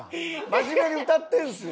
真面目に歌ってるんですよ。